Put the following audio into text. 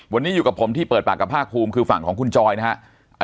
วันนี้อยู่กับผมที่เปิดปากกับภาคภูมิคือฝั่งของคุณจอยนะฮะ